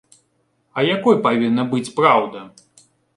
А якой павінна быць праўда?